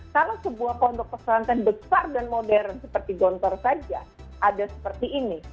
kalau sebuah pondok pesantren besar dan modern seperti gontor saja ada seperti ini